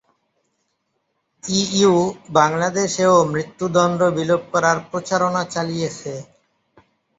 EU বাংলাদেশেও মৃত্যুদণ্ড বিলোপ করার প্রচারণা চালিয়েছে।